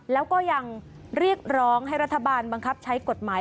แล้วก็ยังเรียกร้องให้รัฐบาลบังคับใช้กฎหมาย